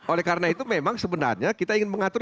oleh karena itu memang sebenarnya kita ingin mengatur